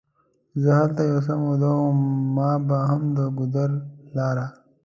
زه هلته یو څه موده وم، ما به هم د ګودر لاره.